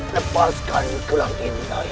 lepaskan gelang ini nyai